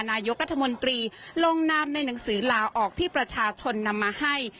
นายกรัฐมนตรีลงนามในหนังสือลาออกที่ประชาชนนำมาให้